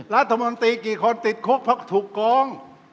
รัฐมนตรีกี่คนติดคุกเพราะถูกโกง